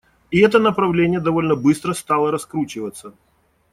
И это направление довольно быстро стало раскручиваться.